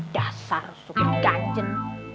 dasar suka digajen